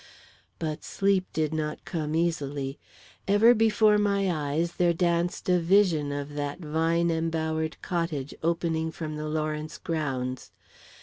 But sleep did not come easily. Ever before my eyes there danced a vision of that vine embowered cottage opening from the Lawrence grounds.